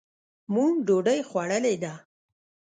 مونږ ډوډۍ خوړلې ده.